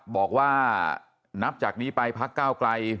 บอกว่านับจากนี้ไปพักก้าวไกล